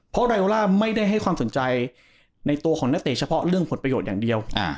เพราะรายโอล่าไม่ได้ให้ความสนใจในตัวของนักเตะเฉพาะเรื่องผลประโยชน์อย่างเดียว